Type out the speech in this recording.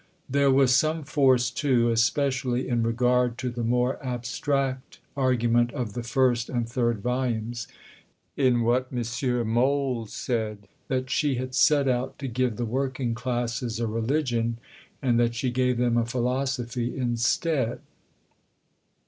There was some force too (especially in regard to the more abstract argument of the first and third volumes) in what M. Mohl said, "that she had set out to give the working classes a religion, and that she gave them a philosophy instead."